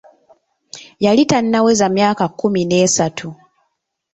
Yali tannaweza myaka kkumi n'esatu.